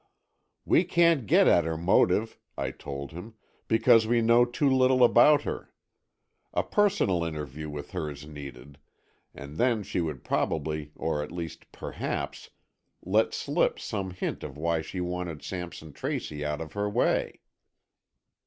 "We can't get at her motive," I told him, "because we know too little about her. A personal interview with her is needed, and then she would probably, or at least perhaps, let slip some hint of why she wanted Sampson Tracy out of her way."